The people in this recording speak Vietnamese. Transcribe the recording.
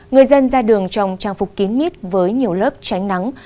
người dân ra đường trong trang phục kín mít với nhiều lớp tránh nắng